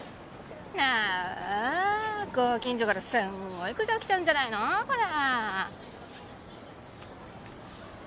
ああご近所からすんごい苦情来ちゃうんじゃないのこれ？